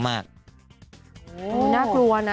น่ากลัวนะ